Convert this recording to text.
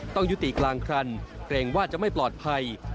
ต้องยุติกลางคันเกรงว่าจะไม่ปลอดภัย